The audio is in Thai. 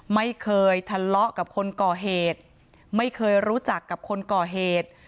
ไม่เคยทะเลาะกับคนก่อเหตุไม่เคยรู้จักกับคนก่อเหตุ